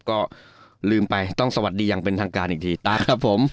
ก็ลืมไปต้องสวัสดีอย่างเป็นทางการอีกทีต้าครับผม